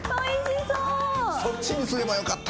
そっちにすればよかった。